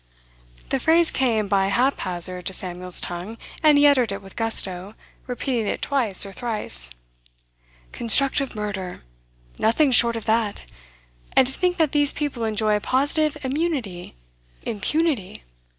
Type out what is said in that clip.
The phrase came by haphazard to Samuel's tongue, and he uttered it with gusto, repeating it twice or thrice. 'Constructive murder nothing short of that. And to think that these people enjoy a positive immunity impunity.